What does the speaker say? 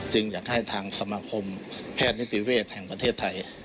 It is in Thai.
อยากให้ทางสมาคมแพทย์นิติเวศแห่งประเทศไทย